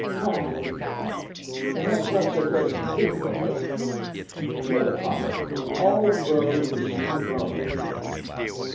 "Bah! perhaps not so great as you think, Porthos; you know the proverb, 'All roads lead to Rome.